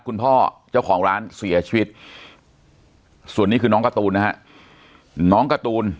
คุณพ่อเจ้าของร้านเสียชีวิตส่วนนี้คือน้องการ์ตูนนะฮะน้องการ์ตูน